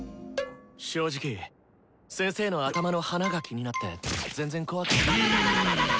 正直先生の頭の花が気になって全然怖く。